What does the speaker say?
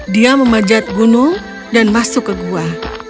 dia memanjat gunung dan masuk ke gua